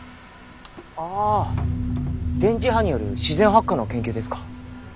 ああ電磁波による自然発火の研究ですか？